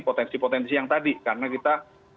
potensi potensi yang tadi karena kita